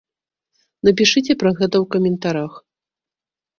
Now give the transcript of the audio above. Напішыце пра гэта ў каментарах!